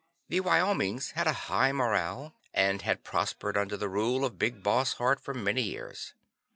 The Wyomings had a high morale, and had prospered under the rule of Big Boss Hart for many years.